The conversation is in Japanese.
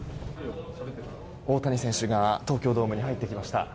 大谷選手が東京ドームに入ってきました。